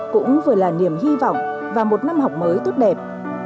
cũng vừa là niềm hy vọng vào một năm học mới tốt đẹp